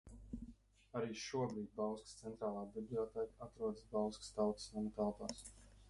Arī šobrīd Bauskas Centrālā bibliotēka atrodas Bauskas Tautas nama telpās.